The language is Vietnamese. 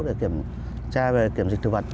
để kiểm tra về các loại hoa quả